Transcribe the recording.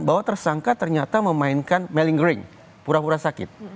bahwa tersangka ternyata memainkan melingering pura pura sakit